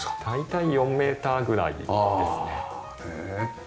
大体４メーターぐらいですね。